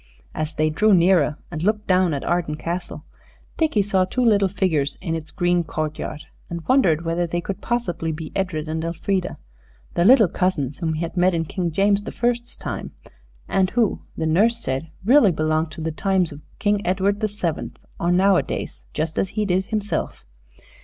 As they drew nearer, and looked down at Arden Castle, Dickie saw two little figures in its green courtyard, and wondered whether they could possibly be Edred and Elfrida, the little cousins whom he had met in King James the First's time, and who, the nurse said, really belonged to the times of King Edward the Seventh, or Nowadays, just as he did himself.